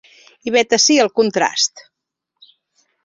I vet ací el contrast.